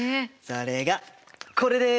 それがこれです！